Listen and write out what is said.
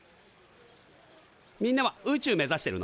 みんなは宇宙目指してるの？